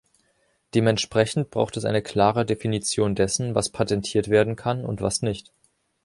Dementsprechend braucht es eine klare Definition dessen, was patentiert werden kann und was nicht.